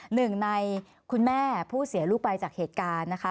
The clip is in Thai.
หนึ่งในคุณแม่ผู้เสียลูกไปจากเหตุการณ์นะคะ